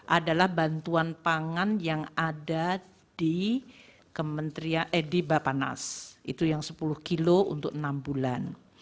adalah bantuan pangan yang ada di bapanas itu yang sepuluh kilo untuk enam bulan